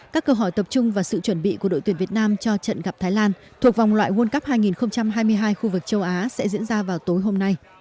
các câu hỏi tập trung và sự chuẩn bị của đội tuyển việt nam cho trận gặp thái lan thuộc vòng loại world cup hai nghìn hai mươi hai khu vực châu á sẽ diễn ra vào tối hôm nay